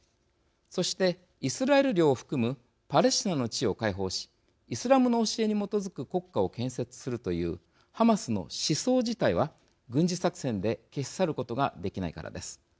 そして、イスラエル領を含むパレスチナの地を解放しイスラムの教えに基づく国家を建設するというハマスの思想自体は軍事作戦で消し去ることができないからです。